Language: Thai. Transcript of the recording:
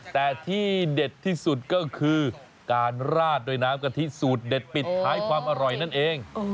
แต่ที่เด็ดที่สุดก็คือการราดโดยน้ำกะทิสูตรเด็ดปิดท้ายความอร่อยนั่นเอง